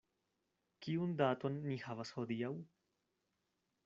Kiun daton ni havas hodiaŭ?